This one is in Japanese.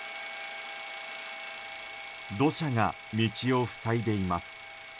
土砂が道を塞いでいます。